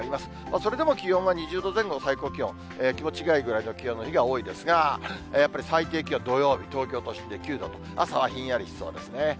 それでも気温は２０度前後、最高気温、気持ちがいいぐらいの気温の日が多いですが、やっぱり最低気温、土曜日、東京都心で９度と、朝はひんやりしそうですね。